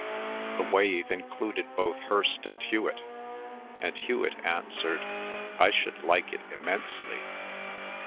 The wave included both Hirst and Hewet, and Hewet answered, "I should like it immensely."